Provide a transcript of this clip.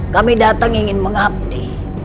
kami datang ingin mengabdi